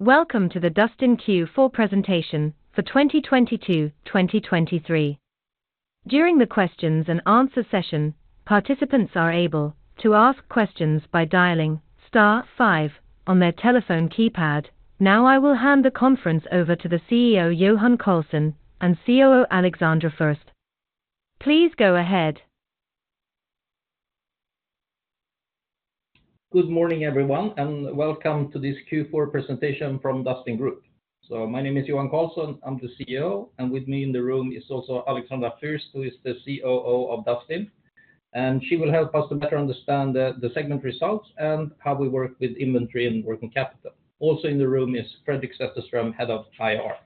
Welcome to the Dustin Q4 Presentation for 2022/2023. During the questions and answer session, participants are able to ask questions by dialing star five on their telephone keypad. Now, I will hand the conference over to the CEO, Johan Karlsson, and COO, Alexandra Fürst. Please go ahead. Good morning, everyone, and welcome to this Q4 Presentation from Dustin Group. So my name is Johan Karlsson, I'm the CEO, and with me in the room is also Alexandra Fürst, who is the COO of Dustin, and she will help us to better understand the segment results and how we work with inventory and working capital. Also in the room is Fredrik Sätterström, Head of IR.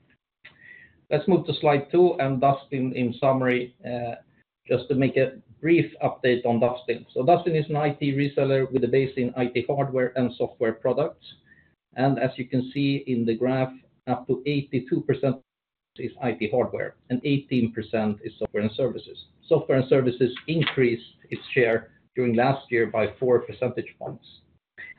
Let's move to slide 2, and Dustin in summary, just to make a brief update on Dustin. So Dustin is an IT reseller with a base in IT hardware and software products, and as you can see in the graph, up to 82% is IT hardware and 18% is Software and Services. Software and Services increased its share during last year by 4 percentage points.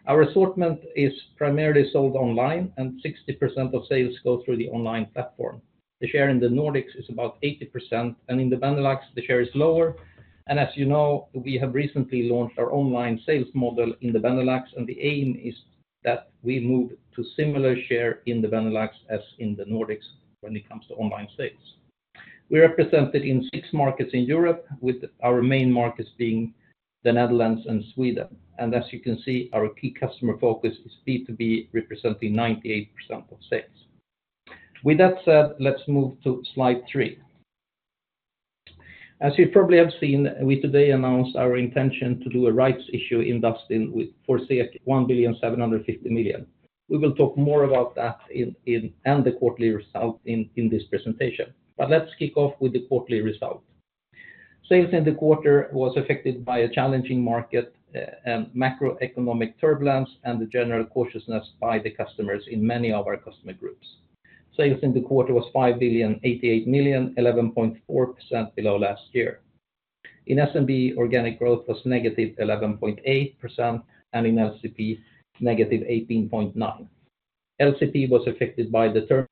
Our assortment is primarily sold online, and 60% of sales go through the online platform. The share in the Nordics is about 80%, and in the Benelux, the share is lower. As you know, we have recently launched our online sales model in the Benelux, and the aim is that we move to similar share in the Benelux as in the Nordics when it comes to online sales. We are represented in six markets in Europe, with our main markets being the Netherlands and Sweden. As you can see, our key customer focus is B2B, representing 98% of sales. With that said, let's move to slide three. As you probably have seen, we today announced our intention to do a rights issue in Dustin with—for 1.75 billion. We will talk more about that in, in, and the quarterly result in, in this presentation, but let's kick off with the quarterly result. Sales in the quarter was affected by a challenging market, and macroeconomic turbulence, and the general cautiousness by the customers in many of our customer groups. Sales in the quarter was 5 billion 88 million, 11.4% below last year. In SMB, organic growth was negative 11.8%, and in LCP, negative 18.9%. LCP was affected by the terminated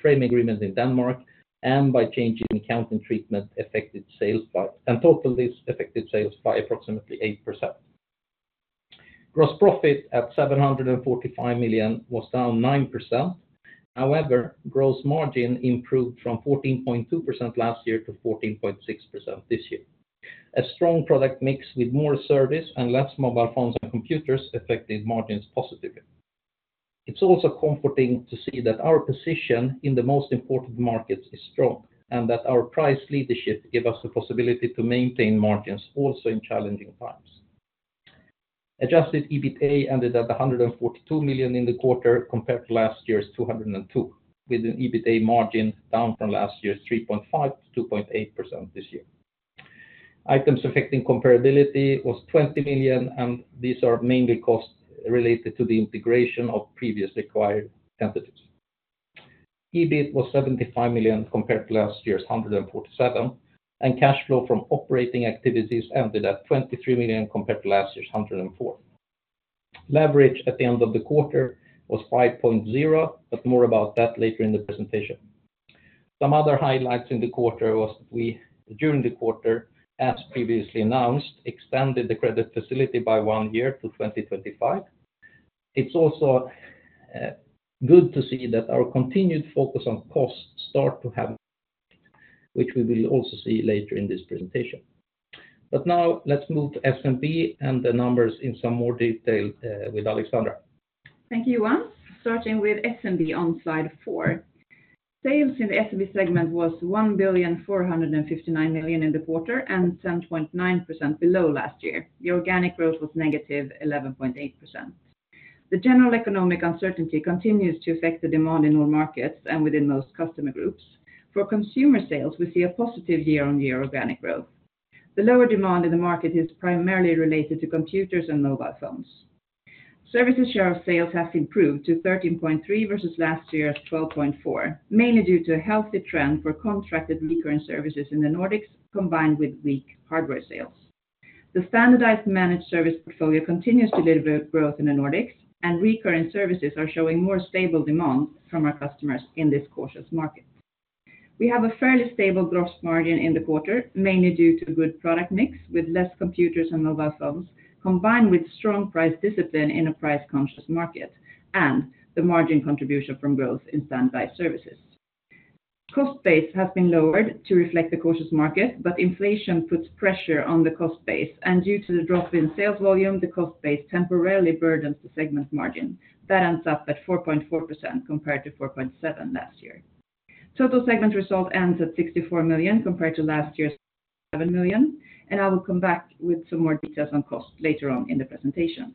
frame agreement in Denmark, and by changing accounting treatment, affected sales by—and totally affected sales by approximately 8%. Gross profit at 745 million was down 9%. However, gross margin improved from 14.2% last year to 14.6% this year. A strong product mix with more service and less mobile phones and computers affected margins positively. It's also comforting to see that our position in the most important markets is strong, and that our price leadership give us the possibility to maintain margins also in challenging times. Adjusted EBITA ended at 142 million in the quarter, compared to last year's 202 million, with an EBITA margin down from last year's 3.5% to 2.8% this year. Items affecting comparability was 20 million, and these are mainly costs related to the integration of previously acquired entities. EBIT was 75 million compared to last year's 147 million, and cash flow from operating activities ended at 23 million compared to last year's 104 million. Leverage at the end of the quarter was 5.0, but more about that later in the presentation. Some other highlights in the quarter was we, during the quarter, as previously announced, expanded the credit facility by 1 year to 2025. It's also good to see that our continued focus on costs start to have, which we will also see later in this presentation. But now let's move to SMB and the numbers in some more detail with Alexandra. Thank you, Johan. Starting with SMB on slide 4. Sales in the SMB segment was 1.459 billion in the quarter, and 7.9% below last year. The organic growth was -11.8%. The general economic uncertainty continues to affect the demand in all markets and within most customer groups. For consumer sales, we see a positive year-on-year organic growth. The lower demand in the market is primarily related to computers and mobile phones. Services share of sales has improved to 13.3% versus last year's 12.4%, mainly due to a healthy trend for contracted recurring services in the Nordics, combined with weak hardware sales. The standardized managed service portfolio continues to deliver growth in the Nordics, and recurring services are showing more stable demand from our customers in this cautious market. We have a fairly stable gross margin in the quarter, mainly due to good product mix with less computers and mobile phones, combined with strong price discipline in a price-conscious market and the margin contribution from growth in standby services. Cost base has been lowered to reflect the cautious market, but inflation puts pressure on the cost base, and due to the drop in sales volume, the cost base temporarily burdens the segment margin. That ends up at 4.4%, compared to 4.7% last year. Total segment result ends at 64 million, compared to last year's 7 million, and I will come back with some more details on cost later on in the presentation.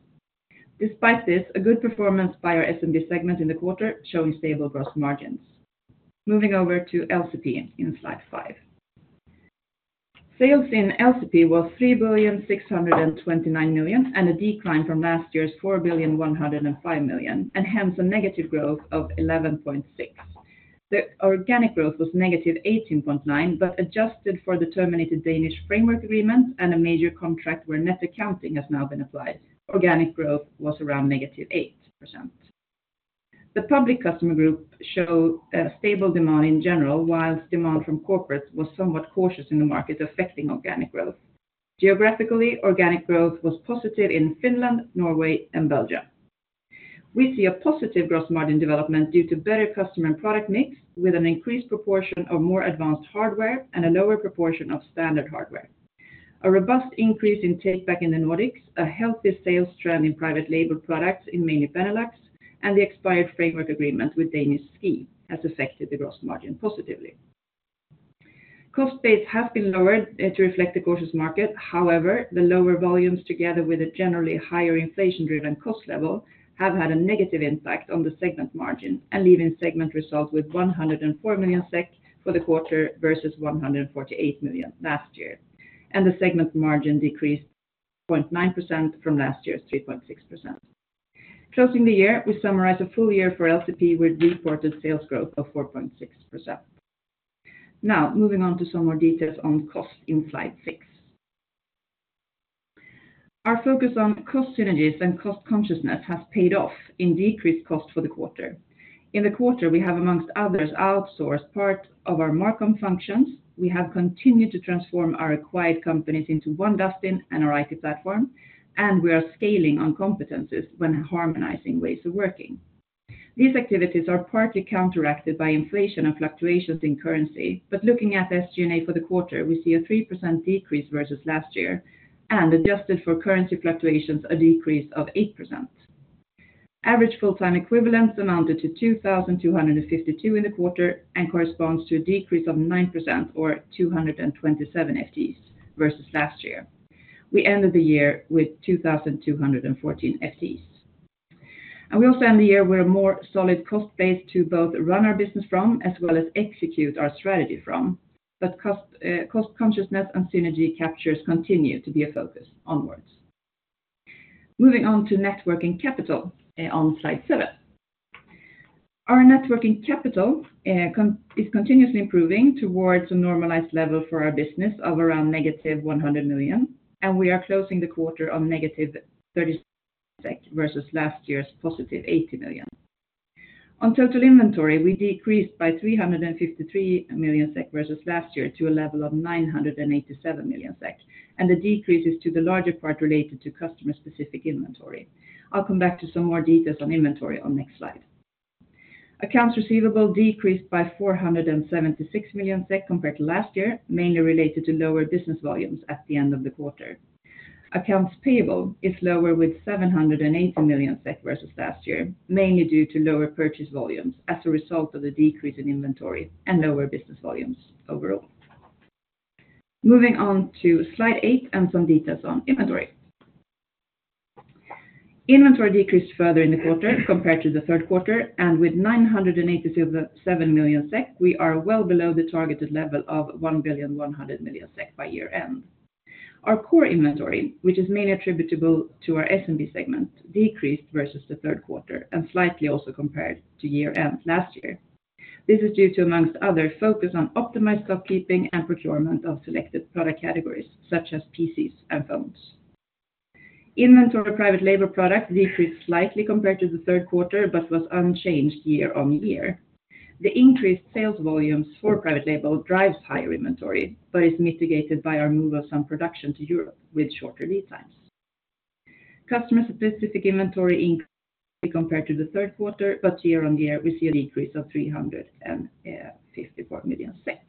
Despite this, a good performance by our SMB segment in the quarter, showing stable gross margins. Moving over to LCP in slide five. Sales in LCP were 3.629 billion, a decline from last year's 4.105 billion, and hence a negative growth of 11.6%. The organic growth was -18.9%, but adjusted for the terminated Danish framework agreement and a major contract where net accounting has now been applied. Organic growth was around -8%. The public customer group shows stable demand in general, while demand from corporates was somewhat cautious in the market, affecting organic growth. Geographically, organic growth was positive in Finland, Norway, and Belgium. We see a positive growth margin development due to better customer and product mix, with an increased proportion of more advanced hardware and a lower proportion of standard hardware. A robust increase in Takeback in the Nordics, a healthy sales trend in Private Label products in mainly Benelux, and the expired framework agreement with Danish SKI as affected the gross margin positively. Cost base has been lowered to reflect the cautious market. However, the lower volumes, together with a generally higher inflation-driven cost level, have had a negative impact on the segment margin and leaving segment results with 104 million SEK for the quarter versus 148 million last year, and the segment margin decreased 0.9% from last year's 3.6%. Closing the year, we summarize a full year for LCP with reported sales growth of 4.6%. Now, moving on to some more details on cost in slide 6. Our focus on cost synergies and cost consciousness has paid off in decreased cost for the quarter. In the quarter, we have, among others, outsourced part of our MarCom functions. We have continued to transform our acquired companies into one Dustin and our IT platform, and we are scaling on competencies when harmonizing ways of working. These activities are partly counteracted by inflation and fluctuations in currency, but looking at SG&A for the quarter, we see a 3% decrease versus last year, and adjusted for currency fluctuations, a decrease of 8%. Average full-time equivalents amounted to 2,252 in the quarter and corresponds to a decrease of 9% or 227 FTEs versus last year. We ended the year with 2,214 FTEs. We also end the year with a more solid cost base to both run our business from, as well as execute our strategy from, but cost, cost consciousness and synergy captures continue to be a focus onwards. Moving on to net working capital, on slide 7. Our net working capital is continuously improving towards a normalized level for our business of around negative 100 million, and we are closing the quarter of negative 36 million SEK versus last year's positive 80 million. On total inventory, we decreased by 353 million SEK versus last year to a level of 987 million SEK, and the decrease is to the larger part related to customer-specific inventory. I'll come back to some more details on inventory on next slide. Accounts receivable decreased by 476 million SEK compared to last year, mainly related to lower business volumes at the end of the quarter. Accounts payable is lower with 780 million SEK versus last year, mainly due to lower purchase volumes as a result of the decrease in inventory and lower business volumes overall. Moving on to slide eight and some details on inventory. Inventory decreased further in the quarter compared to the Q3, and with 987 million SEK, we are well below the targeted level of 1.1 billion by year-end. Our core inventory, which is mainly attributable to our SMB segment, decreased versus the Q3 and slightly also compared to year-end last year. This is due to, amongst others, focus on optimized stock keeping and procurement of selected product categories, such as PCs and phones. Inventory Private Label product decreased slightly compared to the Q3, but was unchanged year-on-year. The increased sales volumes for Private Label drives higher inventory, but is mitigated by our move of some production to Europe with shorter lead times. Customer specific inventory increased compared to the Q3, but year-on-year, we see a decrease of 354 million SEK.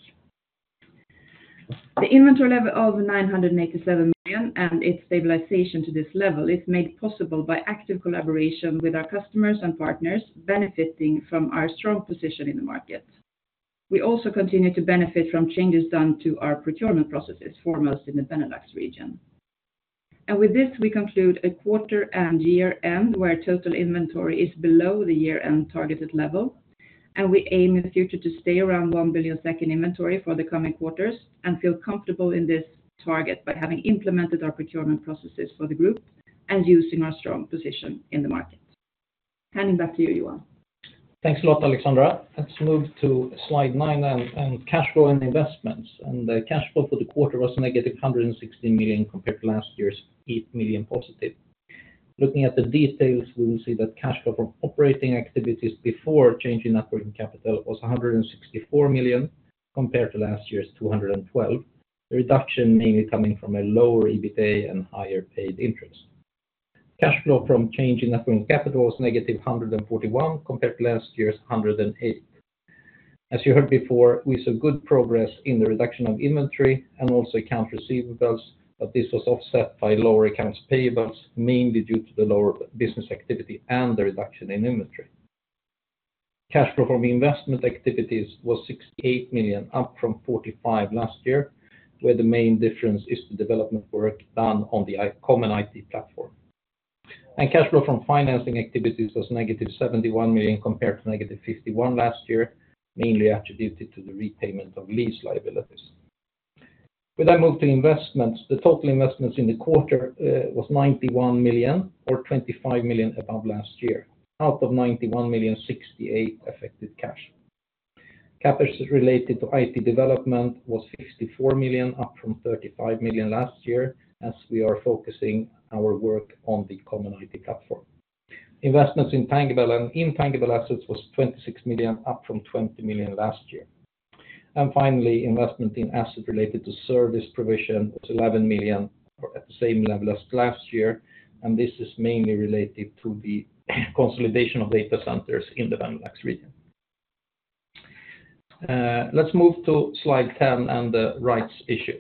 The inventory level of 987 million and its stabilization to this level is made possible by active collaboration with our customers and partners, benefiting from our strong position in the market. We also continue to benefit from changes done to our procurement processes, foremost in the Benelux region. With this, we conclude a quarter and year-end, where total inventory is below the year-end targeted level, and we aim in the future to stay around 1 billion in inventory for the coming quarters and feel comfortable in this target by having implemented our procurement processes for the group and using our strong position in the market. Handing back to you, Johan. Thanks a lot, Alexandra. Let's move to slide nine, cash flow, and investments. The cash flow for the quarter was negative 160 million compared to last year's 8 million positive. Looking at the details, we will see that cash flow from operating activities before change in operating capital was 164 million compared to last year's 212 million. The reduction mainly coming from a lower EBITA and higher paid interest. Cash flow from change in operating capital was negative 141 million compared to last year's 108 million. As you heard before, we saw good progress in the reduction of inventory and also account receivables, but this was offset by lower accounts payables, mainly due to the lower business activity and the reduction in inventory. Cash flow from investment activities was 68 million, up from 45 million last year, where the main difference is the development work done on the common IT platform. Cash flow from financing activities was negative 71 million, compared to negative 51 million last year, mainly attributed to the repayment of lease liabilities. When I move to investments, the total investments in the quarter was 91 million, or 25 million above last year. Out of 91 million, 68 million affected cash. CapEx related to IT development was 64 million, up from 35 million last year, as we are focusing our work on the common IT platform. Investments in tangible and intangible assets was 26 million, up from 20 million last year. Finally, investment in assets related to service provision was 11 million, or at the same level as last year, and this is mainly related to the consolidation of data centers in the Benelux region. Let's move to slide 10 and the rights issue.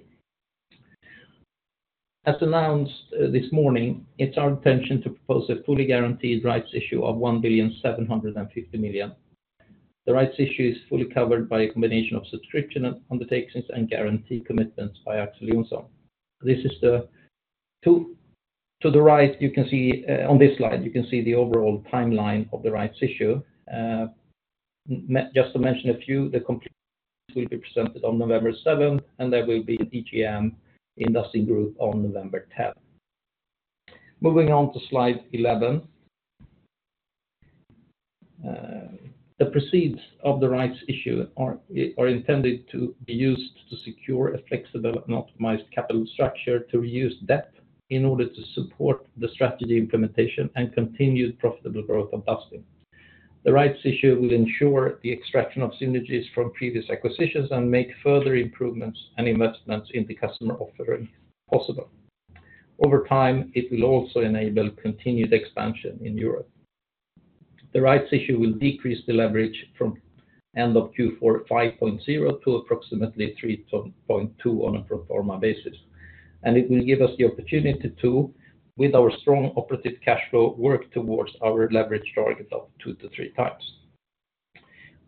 As announced this morning, it's our intention to propose a fully guaranteed rights issue of 1.75 billion. The rights issue is fully covered by a combination of subscription undertakings and guarantee commitments by Axel Johnson. To the right, you can see on this slide, you can see the overall timeline of the rights issue. Just to mention a few, the complete will be presented on November 7th, and there will be an EGM in Dustin Group on November 10th. Moving on to slide 11. The proceeds of the rights issue are intended to be used to secure a flexible and optimized capital structure to reuse debt in order to support the strategy implementation and continued profitable growth of Dustin. The rights issue will ensure the extraction of synergies from previous acquisitions and make further improvements and investments in the customer offering possible. Over time, it will also enable continued expansion in Europe. The rights issue will decrease the leverage from end of Q4 5.0 to approximately 3.2 on a pro forma basis. And it will give us the opportunity to, with our strong operative cash flow, work towards our leverage target of 2-3 times.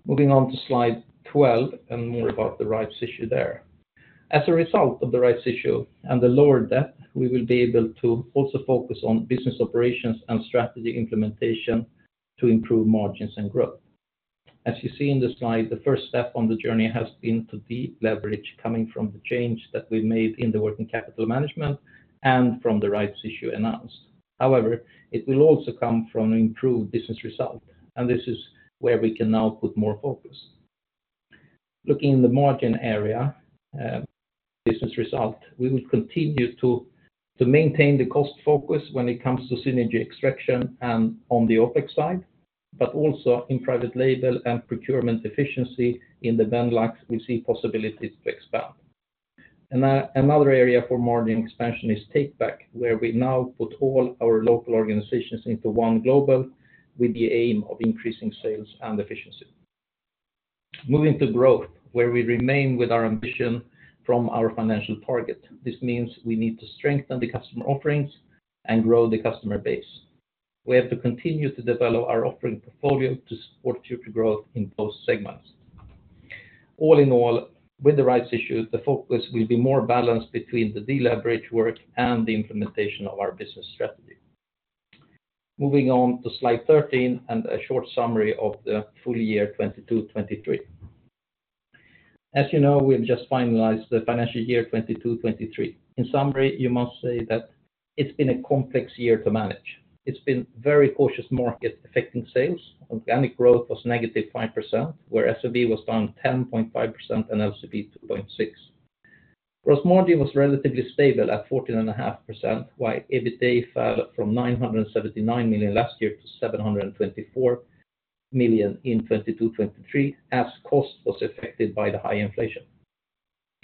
Moving on to slide 12 and more about the rights issue there. As a result of the rights issue and the lower debt, we will be able to also focus on business operations and strategy implementation to improve margins and growth. As you see in the slide, the first step on the journey has been to de-leverage coming from the change that we've made in the working capital management and from the rights issue announced. However, it will also come from improved business results, and this is where we can now put more focus. Looking in the margin area, business result, we will continue to maintain the cost focus when it comes to synergy extraction and on the OpEx side, but also in private label and procurement efficiency in the Benelux, we see possibilities to expand. Another area for margin expansion is takeback, where we now put all our local organizations into one global, with the aim of increasing sales and efficiency. Moving to growth, where we remain with our ambition from our financial target. This means we need to strengthen the customer offerings and grow the customer base. We have to continue to develop our offering portfolio to support future growth in both segments. All in all, with the rights issue, the focus will be more balanced between the de-leverage work and the implementation of our business strategy. Moving on to slide 13, and a short summary of the full year 2022-2023. As you know, we've just finalized the financial year 2022-2023. In summary, you must say that it's been a complex year to manage. It's been very cautious market affecting sales. Organic growth was -5%, where SMB was down 10.5% and LCP, 2.6%. Gross margin was relatively stable at 14.5%, while EBITA fell from 979 million last year to 724 million in 2022/2023, as cost was affected by the high inflation.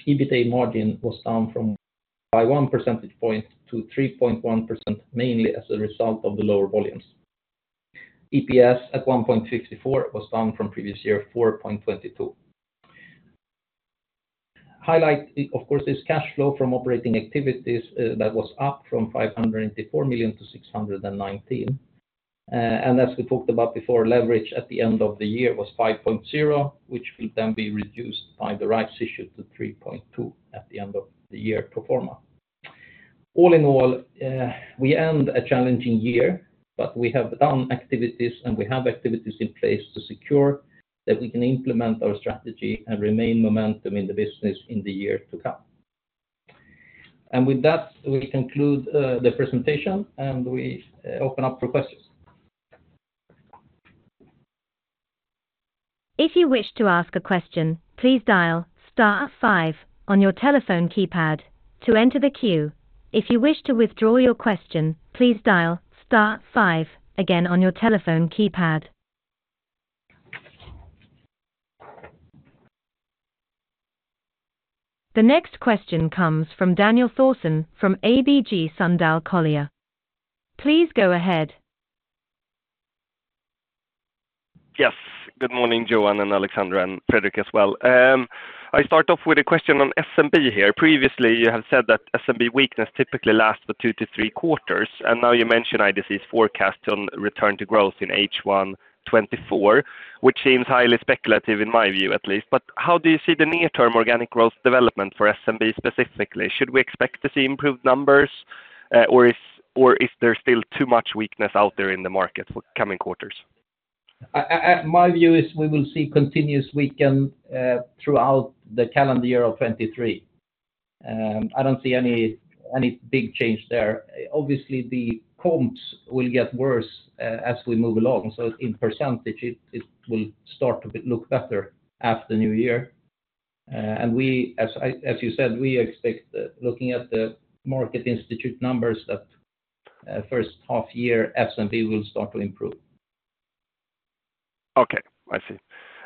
EBITA margin was down by 1 percentage point to 3.1%, mainly as a result of the lower volumes. EPS at 1.64 was down from previous year, 4.22. Highlight, of course, is cash flow from operating activities, that was up from 584 million to 619 million. and as we talked about before, leverage at the end of the year was 5.0, which will then be reduced by the rights issue to 3.2 at the end of the year pro forma. All in all, we end a challenging year, but we have done activities, and we have activities in place to secure that we can implement our strategy and remain momentum in the business in the year to come. And with that, we conclude the presentation, and we open up for questions. If you wish to ask a question, please dial star five on your telephone keypad to enter the queue. If you wish to withdraw your question, please dial star five again on your telephone keypad. The next question comes from Daniel Thorsson from ABG Sundal Collier. Please go ahead. Yes, good morning, Johan and Alexandra, and Fredrik as well. I start off with a question on SMB here. Previously, you have said that SMB weakness typically lasts for two to three quarters, and now you mention IDC's forecast on return to growth in H1 2024, which seems highly speculative, in my view, at least. But how do you see the near-term organic growth development for SMB specifically? Should we expect to see improved numbers, or is there still too much weakness out there in the market for coming quarters? My view is we will see continuous weekend throughout the calendar year of 2023. I don't see any big change there. Obviously, the comps will get worse as we move along, so in percentage, it will start to look better after New Year. As you said, we expect that looking at the market institute numbers that H1, S&P will start to improve. Okay, I see.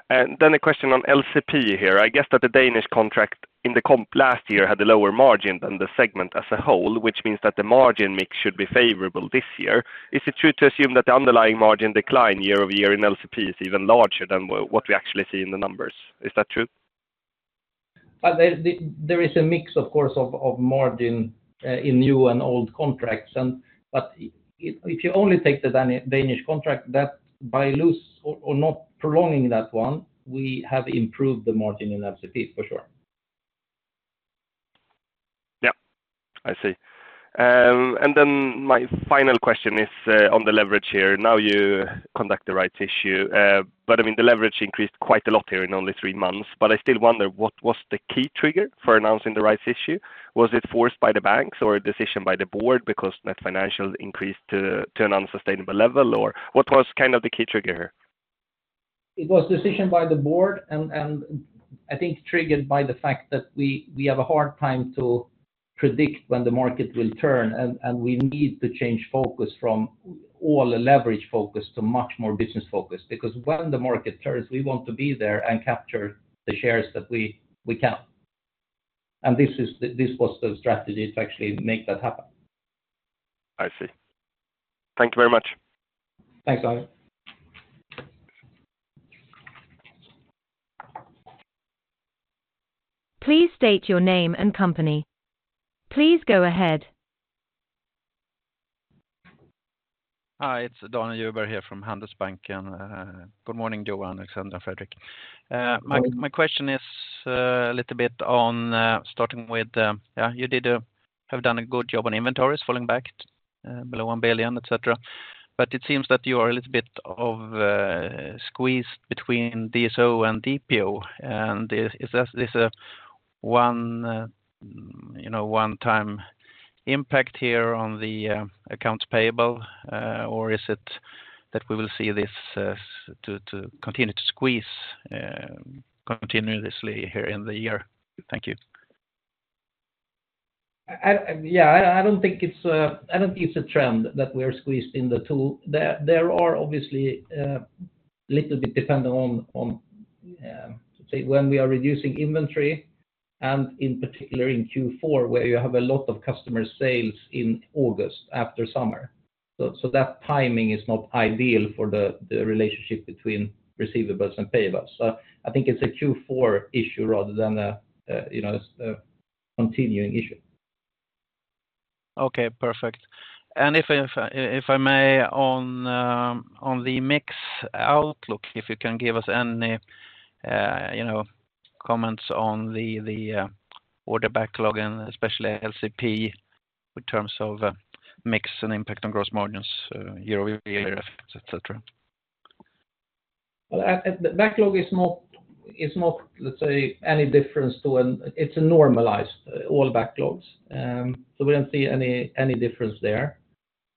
And then a question on LCP here. I guess that the Danish contract in the comp last year had a lower margin than the segment as a whole, which means that the margin mix should be favorable this year. Is it true to assume that the underlying margin decline year-over-year in LCP is even larger than what, what we actually see in the numbers? Is that true? There is a mix, of course, of margin in new and old contracts, and but if you only take the Danish contract, that by losing or not prolonging that one, we have improved the margin in LCP, for sure. Yeah, I see. And then my final question is on the leverage here. Now, you conduct the rights issue, but I mean, the leverage increased quite a lot here in only three months, but I still wonder what was the key trigger for announcing the rights issue? Was it forced by the banks or a decision by the board because net financials increased to an unsustainable level? Or what was kind of the key trigger here? It was decision by the board, and I think triggered by the fact that we have a hard time to predict when the market will turn, and we need to change focus from all the leverage focus to much more business focus. Because when the market turns, we want to be there and capture the shares that we can. And this is the, this was the strategy to actually make that happen. I see. Thank you very much. Thanks, Daniel. Please state your name and company. Please go ahead. Hi, it's Daniel Djurberg here from Handelsbanken. Good morning, Johan, Alexandra, and Fredrik. My question is a little bit on starting with, yeah, you have done a good job on inventories falling back below 1 billion, etc. But it seems that you are a little bit squeezed between DSO and DPO, and is this a one, you know, one-time impact here on the accounts payable? Or is it that we will see this to continue to squeeze continuously here in the year? Thank you. Yeah, I don't think it's a trend that we're squeezed in the two. There are obviously a little bit dependent on, say, when we are reducing inventory, and in particular, in Q4, where you have a lot of customer sales in August, after summer. So that timing is not ideal for the relationship between receivables and payables. So I think it's a Q4 issue rather than a, you know, a continuing issue. Okay, perfect. And if I may, on the mix outlook, if you can give us any, you know, comments on the order backlog, and especially LCP, in terms of mix and impact on gross margins, year-over-year, et cetera. Well, the backlog is not, is not, let's say, any difference to when... It's a normalized, all backlogs. So we don't see any, any difference there.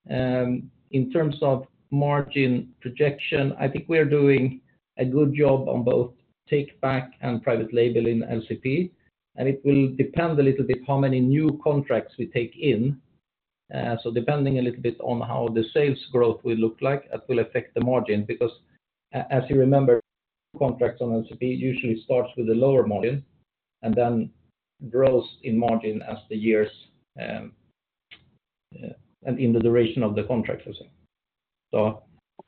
In terms of margin projection, I think we're doing a good job on both takeback and Private Label in LCP, and it will depend a little bit how many new contracts we take in. So depending a little bit on how the sales growth will look like, that will affect the margin. Because as you remember, contracts on LCP usually starts with a lower margin and then grows in margin as the years, and in the duration of the contract, let's say.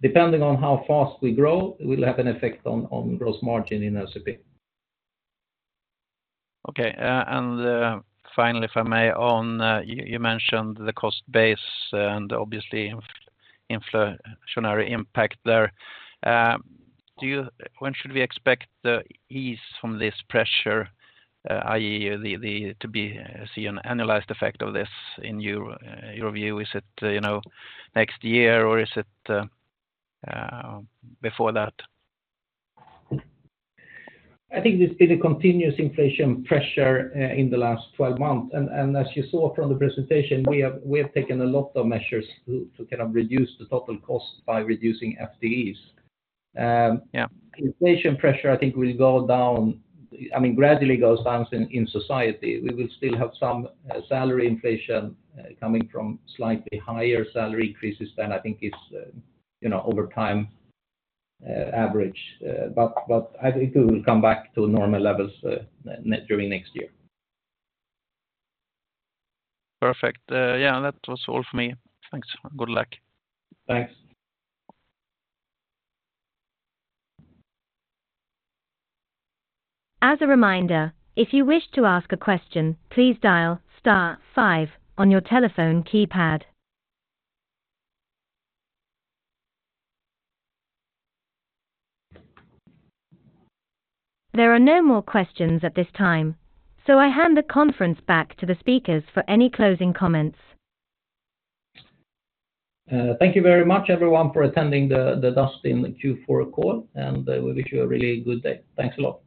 So depending on how fast we grow, it will have an effect on, on gross margin in LCP. Okay, and finally, if I may, on you mentioned the cost base and obviously, inflationary impact there. When should we expect the ease from this pressure, i.e., the to-be-seen annualized effect of this in your view? Is it, you know, next year, or is it before that? I think there's been a continuous inflation pressure in the last 12 months, and as you saw from the presentation, we have taken a lot of measures to kind of reduce the total cost by reducing FTEs. Yeah. Inflation pressure, I think, will go down, I mean, gradually goes down in society. We will still have some salary inflation coming from slightly higher salary increases than I think is, you know, over time average. But I think it will come back to normal levels during next year. Perfect. Yeah, that was all for me. Thanks, and good luck. Thanks. As a reminder, if you wish to ask a question, please dial star five on your telephone keypad. There are no more questions at this time, so I hand the conference back to the speakers for any closing comments. Thank you very much, everyone, for attending the Dustin Q4 call, and we wish you a really good day. Thanks a lot.